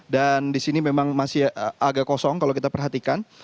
dan di sini memang masih agak kosong kalau kita perhatikan